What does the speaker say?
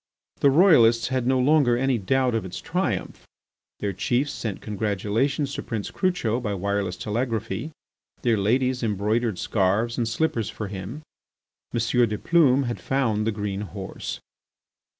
The Royalists had no longer any doubt of its triumph. Their chiefs sent congratulations to Prince Crucho by wireless telegraphy. Their ladies embroidered scarves and slippers for him. M. de Plume had found the green horse.